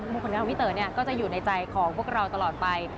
มุมคุณภาพพี่เต๋อก็จะอยู่ในใจของพวกเราตลอดไป